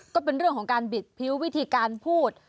ก็เป็นเรื่องของการบิดพิ้ววิธีการพูด